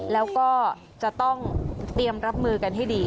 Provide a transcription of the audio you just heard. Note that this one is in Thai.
แล้วก็จะต้องเตรียมรับมือกันให้ดี